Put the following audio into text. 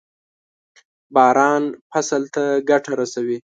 باران فصل ته ګټه رسوي.